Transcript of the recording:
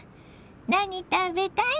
何食べたい？